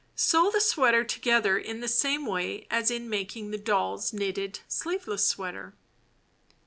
Sew the sweater together in same way as in making the Doll's Knitted Sleeveless Sweater.